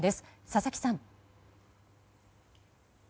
佐々木さん。